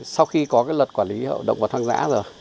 sau khi có luật quản lý hậu động và thang giã